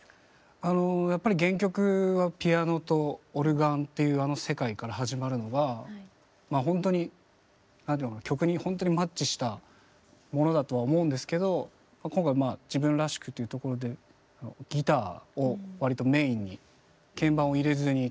あのやっぱり原曲はピアノとオルガンっていうあの世界から始まるのがまあほんとに曲にほんとにマッチしたものだとは思うんですけど今回まあ自分らしくというところでギターを割とメインに鍵盤を入れずに結構シンプルな編成でやってます。